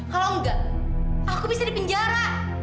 kalau enggak aku bisa dipenjara